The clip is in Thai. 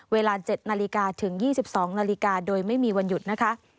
เวลา๗นาฬิกาถึง๒๒นาฬิกาโดยไม่มีวันหยุดนะคะ